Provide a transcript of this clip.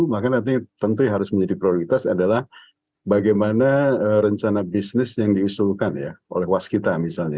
maka nanti tentu yang harus menjadi prioritas adalah bagaimana rencana bisnis yang diusulkan ya oleh waskita misalnya